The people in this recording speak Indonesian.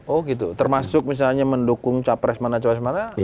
oh gitu termasuk misalnya mendukung capres mana cawapres mana